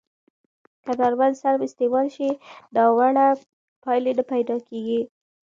که درمل سم استعمال شي، ناوړه پایلې نه پیدا کېږي.